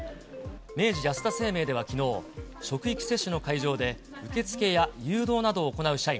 明治安田生命ではきのう、職域接種の会場で受け付けや誘導などを行う社員